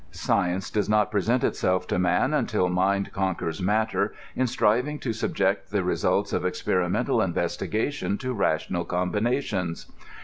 Science does not present itself to man until mind ' oonquets matter in striving to subject the result of experimental investigation to rational combinations.